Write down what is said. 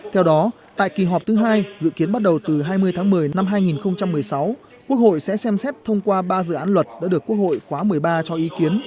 theo đó tại kỳ họp thứ hai dự kiến bắt đầu từ hai mươi tháng một mươi năm hai nghìn một mươi sáu quốc hội sẽ xem xét thông qua ba dự án luật đã được quốc hội khóa một mươi ba cho ý kiến